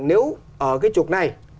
nếu ở cái trục này